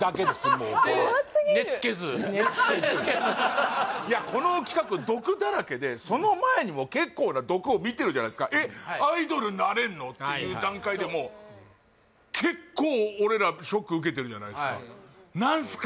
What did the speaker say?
もうこれは怖すぎる寝つけずいやこの企画毒だらけでその前にも結構な毒を見てるじゃないですかえっアイドルになれんの？っていう段階でもう結構俺らショック受けてるじゃないですか何すか？